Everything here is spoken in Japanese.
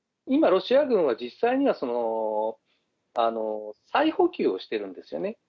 今、ロシア軍は実際には再補給をしてるんですよね。